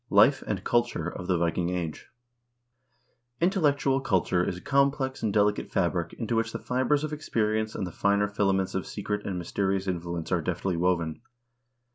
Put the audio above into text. Life and Culture of the Viking Age Intellectual culture is a complex and delicate fabric into which the fibers of experience and the finer filaments of secret and myste rious influence are deftly woven.